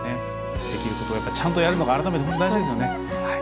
できることをちゃんとやるのが、改めて大事ですよね。